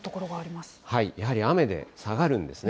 やはり雨で下がるんですね。